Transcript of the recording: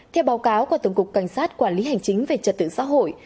theo báo cáo của tổng cục cảnh sát quản lý hành chính về trật tự xã hội